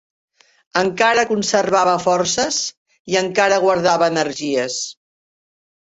Encara conservava forces i encara guardava energies